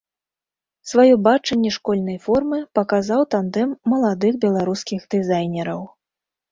Сваё бачанне школьнай формы паказаў тандэм маладых беларускіх дызайнераў.